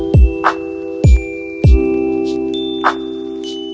jangan problem ketika hati